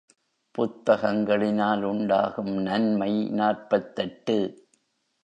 புத்தகங்களினால் உண்டாகும் நன்மை நாற்பத்தெட்டு.